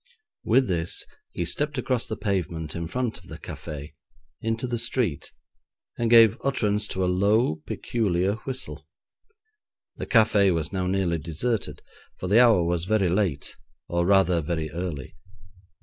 With this he stepped across the pavement in front of the café, into the street, and gave utterance to a low, peculiar whistle. The café was now nearly deserted, for the hour was very late, or, rather, very early.